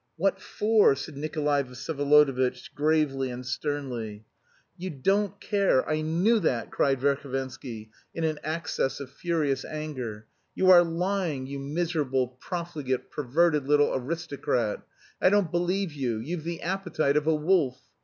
"What for?" said Nikolay Vsyevolodovitch, gravely and sternly. "You don't care, I knew that!" cried Verhovensky in an access of furious anger. "You are lying, you miserable, profligate, perverted, little aristocrat! I don't believe you, you've the appetite of a wolf!...